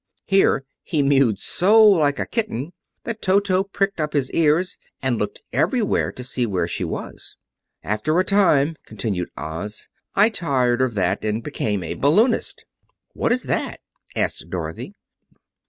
Here he mewed so like a kitten that Toto pricked up his ears and looked everywhere to see where she was. "After a time," continued Oz, "I tired of that, and became a balloonist." "What is that?" asked Dorothy.